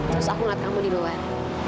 terus aku ngeliat kamu di luar